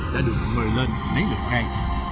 đã được mời lên lấy được ngay